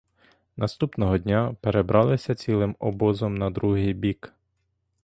Наступного дня перебралися цілим обозом на другий бік.